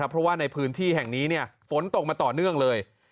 เพราะว่าในพื้นที่แห่งนี้ฝนตกมาต่อเนื่องเลย